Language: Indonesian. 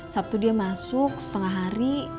sabtu dia masuk setengah hari